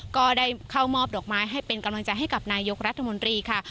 ก็ได้เข้ามอบดอกไม้ให้เป็นกำลังใจให้กับนายกรัฐมนตรีค่ะ